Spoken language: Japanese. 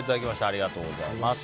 ありがとうございます。